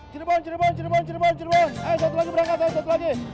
cirebon cirebon cirebon cirebon cirebon satu lagi berangkat satu lagi